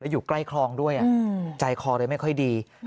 อยู่ใกล้คลองด้วยใจคอเลยไม่ค่อยดี